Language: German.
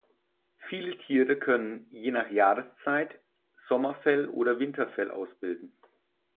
Viele Tiere können je nach Jahreszeit Sommerfell oder Winterfell ausbilden.